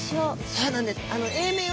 そうなんです。